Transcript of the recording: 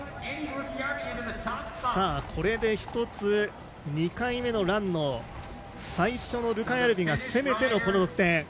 これで、１つ２回目のランの最初のルカヤルビが攻めてのこの得点。